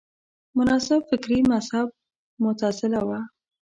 مناسب فکري مذهب معتزله وه